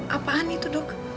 apaan itu dok